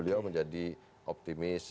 beliau menjadi optimis